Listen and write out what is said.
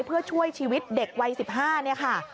เพื่อช่วยชีวิตเด็กวัย๑๕เนี่ยค่ะ